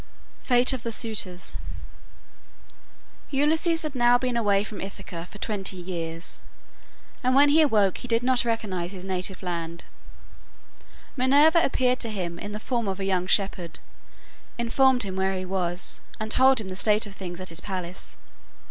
FATE OF THE SUITORS Ulysses had now been away from Ithaca for twenty years, and when he awoke he did not recognize his native land. Minerva appeared to him in the form of a young shepherd, informed him where he was, and told him the state of things at his palace.